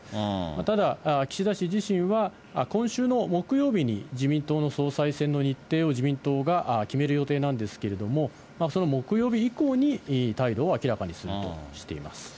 ただ、岸田氏自身は、今週の木曜日に、自民党の総裁選の日程を自民党が決める予定なんですけれども、その木曜日以降に態度を明らかにするとしています。